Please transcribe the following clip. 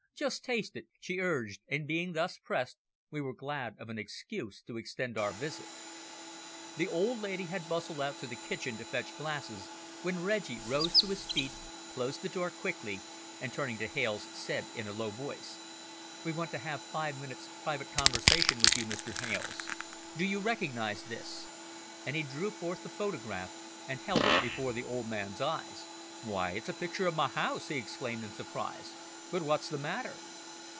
Just taste it," she urged, and being thus pressed we were glad of an excuse to extend our visit. The old lady had bustled out to the kitchen to fetch glasses, when Reggie rose to his feet, closed the door quickly, and, turning to Hales, said in a low voice "We want to have five minutes' private conversation with you, Mr. Hales. Do you recognise this?" and he drew forth the photograph and held it before the old man's eyes. "Why, it's a picture o' my house," he exclaimed in surprise. "But what's the matter!"